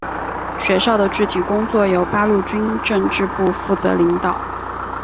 学校的具体工作由八路军政治部负责领导。